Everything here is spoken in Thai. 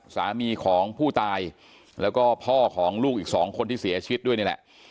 สามีของผู้ตายแล้วก็พ่อของลูกอีกสองคนที่เสียชีวิตด้วยนี่แหละ